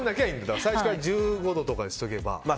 最初から１５度とかにしておけば。